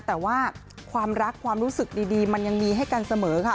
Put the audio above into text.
แต่ว่าความรักความรู้สึกดีมันยังมีให้กันเสมอค่ะ